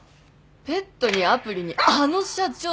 ペットにアプリにあの社長って。